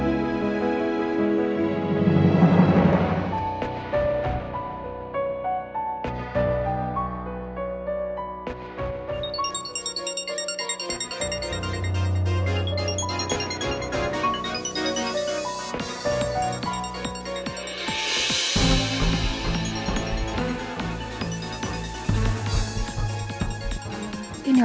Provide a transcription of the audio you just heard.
hakikat tempat ber swish